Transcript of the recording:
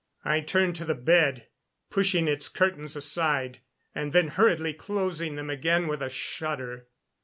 I turned to the bed, pushing its curtains aside, and then hurriedly closing them again with a shudder.